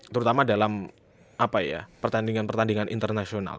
terutama dalam apa ya pertandingan pertandingan internasional